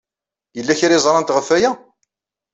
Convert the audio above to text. Yella kra ay ẓrant ɣef waya?